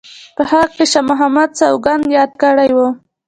په هغه کې شاه محمد سوګند یاد کړی وو.